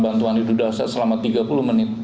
bantuan hidup dasar selama tiga puluh menit